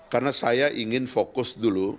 karena saya ingin fokus dulu